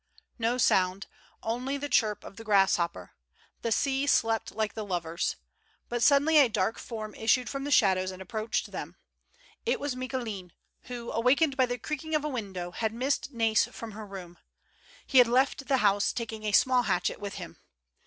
Ko sound ; only the chirp of the grasshopper. The sea slept like the lovers. But suddenly a dark form issued from the shadows and approached them. It was Micoulin, who, awakened by the creaking of a window, had missed Nais from her room. He had left the house, taking a small hatchet with him.